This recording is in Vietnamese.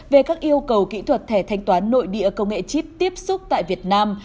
về các yêu cầu kỹ thuật thẻ thanh toán nội địa công nghệ chip tiếp xúc tại việt nam